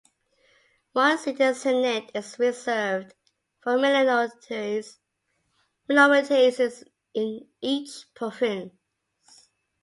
One seat in the senate is reserved for minorities in each province.